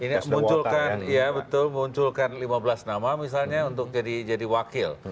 ini munculkan lima belas nama misalnya untuk jadi wakil